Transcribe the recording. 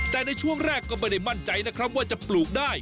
แต่ในช่วงแรกก็ไม่ได้มั่นใจนะครับว่าจะปลูกได้